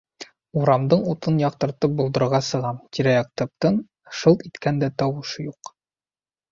Урамдың утын яҡтыртып болдорға сығам, тирә-яҡ тып-тын, шылт иткән дә тауыш юҡ.